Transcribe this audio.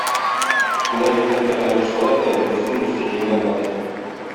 Шулай нихәтле алышсалар да, берсен-берсе җиңә алмады.